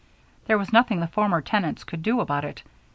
There was nothing the former tenants could do about it.